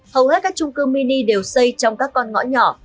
hầu hết các trung cư mini đều xây trong các con ngõ nhỏ